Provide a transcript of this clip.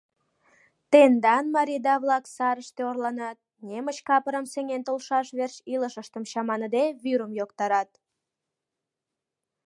Тендан марийда-влак сарыште орланат, немыч капырым сеҥен толшаш верч, илышыштым чаманыде, вӱрым йоктарат.